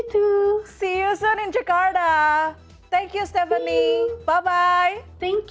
terima kasih banyak